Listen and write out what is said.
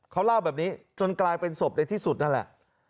เขาเล่าแบบนี้จนกลายเป็นศพในที่สุดนั่นแหละ